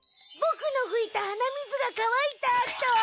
ボクのふいた鼻水がかわいたあと。